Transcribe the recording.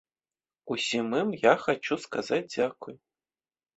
Усім ім я хачу сказаць дзякуй.